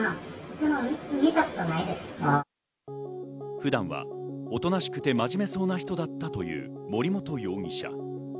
普段はおとなしくて真面目そうな人だったという森本容疑者。